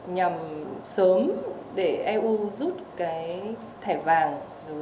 nhằm sớm để eu rút thẻ vàng